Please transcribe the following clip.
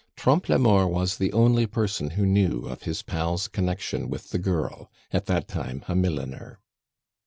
Trompe la Mort was the only person who knew of his pal's connection with the girl, at that time a milliner.